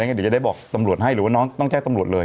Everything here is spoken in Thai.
เดี๋ยวจะได้บอกตำรวจให้หรือว่าน้องต้องแจ้งตำรวจเลย